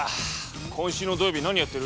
今週の土曜日何やってる？